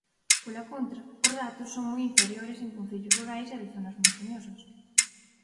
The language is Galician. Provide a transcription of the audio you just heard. Pola contra, os datos son moi inferiores en concellos rurais e de zonas montañosas.